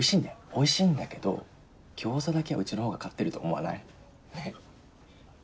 おいしいんだけど餃子だけはうちの方が勝ってると思わない？ね？